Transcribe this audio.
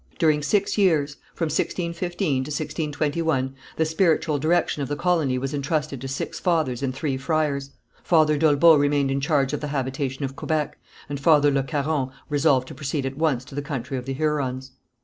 During six years, from 1615 to 1621, the spiritual direction of the colony was entrusted to six fathers and three friars. Father d'Olbeau remained in charge of the habitation of Quebec, and Father Le Caron resolved to proceed at once to the country of the Hurons.